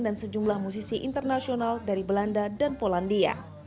dan sejumlah musisi internasional dari belanda dan polandia